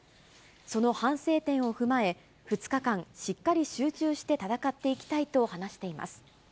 その反省点を踏まえ、２日間、しっかり集中して戦っていきたいと話しています。